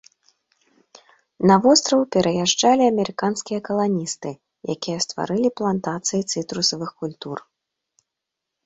На востраў пераязджалі амерыканскія каланісты, якія стварылі плантацыі цытрусавых культур.